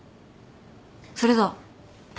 それだ。